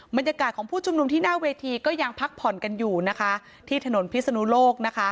บรรยากาศของผู้ชุมนุมที่หน้าเวทีก็ยังพักผ่อนกันอยู่นะคะที่ถนนพิศนุโลกนะคะ